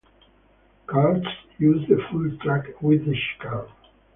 Karts use the full track with the chicane.